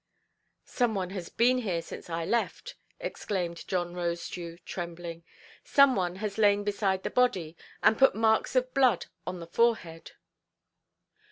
"Some one has been here since I left", exclaimed John Rosedew, trembling; "some one has lain beside the body, and put marks of blood on the forehead".